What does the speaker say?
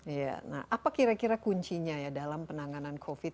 iya nah apa kira kira kuncinya ya dalam penanganan covid sembilan